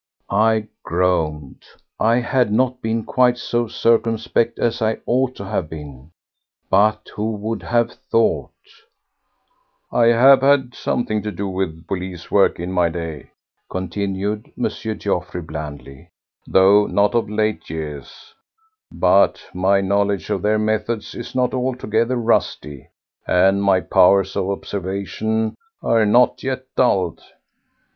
I groaned. I had not been quite so circumspect as I ought to have been, but who would have thought— "I have had something to do with police work in my day," continued M. Geoffroy blandly, "though not of late years; but my knowledge of their methods is not altogether rusty and my powers of observation are not yet dulled.